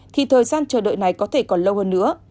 thì thời gian chờ đợi này có thể còn lâu hơn nữa